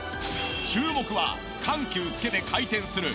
注目は緩急つけて回転するもみ玉。